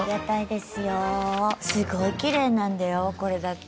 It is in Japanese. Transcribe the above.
すごいきれいなんだよこれだって。